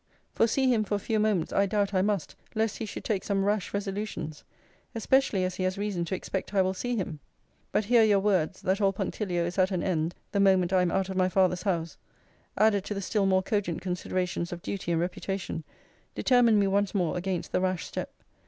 For see him for a few moments I doubt I must, lest he should take some rash resolutions; especially as he has reason to expect I will see him. But here your words, that all punctilio is at an end the moment I am out of my father's house, added to the still more cogent considerations of duty and reputation, determined me once more against the rash step.